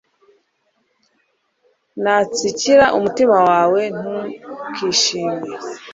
natsikira, umutima wawe ntukishime